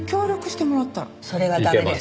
それは駄目です。